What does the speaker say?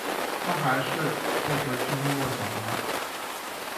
他还是不时去摸摸小孩